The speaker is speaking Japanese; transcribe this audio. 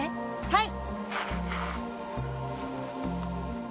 はい。